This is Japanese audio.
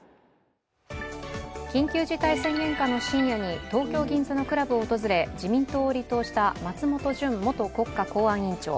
緊急事態宣言下の深夜に東京・銀座のクラブを訪れ、自民党を離党した松本純元国家公安委員長。